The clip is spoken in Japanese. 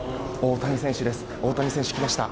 大谷選手、来ました。